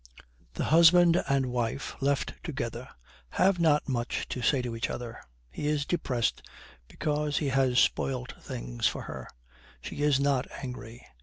The husband and wife, left together, have not much to say to each other. He is depressed because he has spoilt things for her. She is not angry.